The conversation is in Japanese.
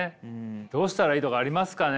どうしたらいいとかありますかね？